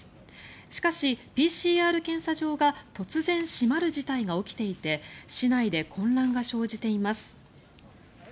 しかし、ＰＣＲ検査場が突然閉まる事態が起きていて市内で混乱が生じています。